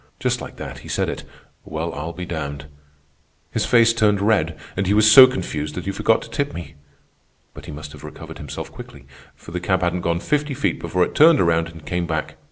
Just like that he said it, 'Well, I'll be damned.' His face turned red and he was so confused that he forgot to tip me. But he must have recovered himself quickly, for the cab hadn't gone fifty feet before it turned around and came back.